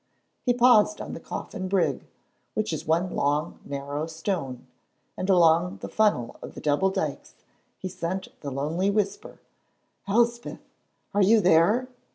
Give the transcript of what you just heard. He paused on the Coffin Brig, which is one long narrow stone; and along the funnel of the double dykes he sent the lonely whisper, "Elspeth, are you there?"